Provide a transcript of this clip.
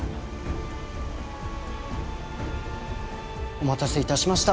お待たせいたしました。